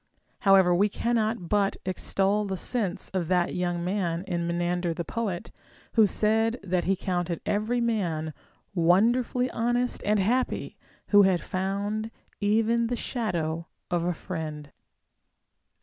However, we cannot but extol the sense of that young man in Me nander the poet, who said that he counted every man wonderfully honest and happy who had found even the shadow of a friend.